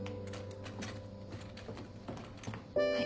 はい。